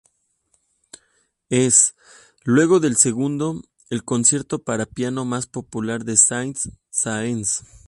Es, luego del segundo, el concierto para piano más popular de Saint-Saëns.